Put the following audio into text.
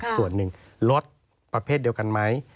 ส่วนหนึ่งลดประเภทเดียวกันไหม